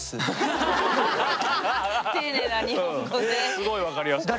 すごい分かりやすかった。